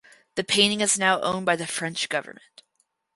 The painting is now owned by the French government.